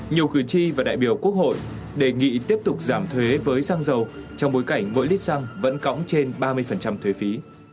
nhiều cử tri và đại biểu quốc hội đề nghị tiếp tục giảm thuế với xăng dầu trong bối cảnh mỗi lít xăng vẫn cõng trên ba mươi thuế phí